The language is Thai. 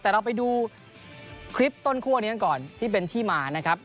แต่เราไปดูคลิปต้นคั่วนี้กันก่อนที่เป็นที่มานะครับ